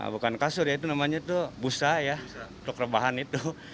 bukan kasur ya itu namanya itu busa ya untuk rebahan itu